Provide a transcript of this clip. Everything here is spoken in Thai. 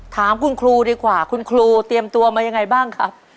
ถามคุณครูดีกว่าคุณครูเตรียมตัวมายังไงบ้างครับ